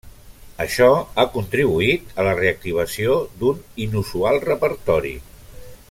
Això ha contribuït a la reactivació d'un inusual repertori.